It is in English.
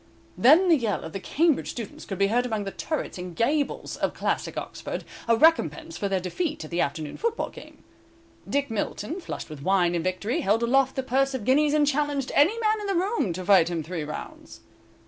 Then the yell of the Cambridge students could be heard among the turrets and gables of classic Oxford, a recompense for their defeat at the afternoon football game. Dick Milton, flushed with wine and victory, held aloft the purse of guineas, and challenged any man in the room to fight him three rounds.